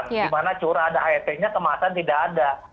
di mana curah ada aet nya kemasan tidak ada